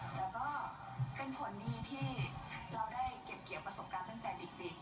แต่ก็เป็นผลดีที่เราได้เก็บเกี่ยวประสบการณ์ตั้งแต่เด็ก